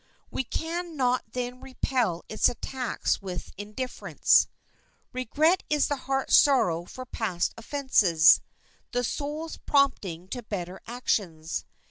We can not then repel its attacks with indifference. Regret is the heart's sorrow for past offenses,—the soul's prompting to better actions.